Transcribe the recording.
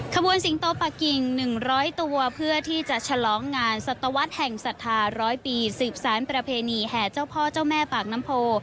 สิงโตปากกิ่ง๑๐๐ตัวเพื่อที่จะฉลองงานศตวรรษแห่งศรัทธา๑๐๐ปีสืบสารประเพณีแห่เจ้าพ่อเจ้าแม่ปากน้ำโพ